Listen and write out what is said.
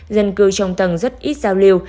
dân cư trong tầng rất ít giao lưu